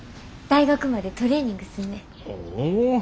大学までトレーニングすんねん。